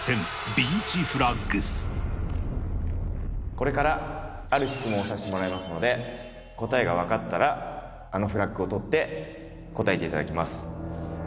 これからある質問をさせてもらいますので答えが分かったらあのフラッグを取って答えていただきます。